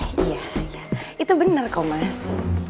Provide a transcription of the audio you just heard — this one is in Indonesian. iya itu benar kok mas